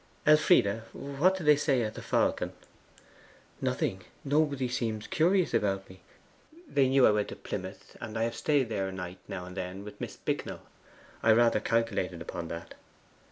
'Elfride, what did they say at the Falcon?' 'Nothing. Nobody seemed curious about me. They knew I went to Plymouth, and I have stayed there a night now and then with Miss Bicknell. I rather calculated upon that.